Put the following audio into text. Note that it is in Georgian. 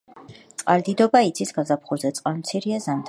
წყალდიდობა იცის გაზაფხულზე, წყალმცირეა ზამთარში.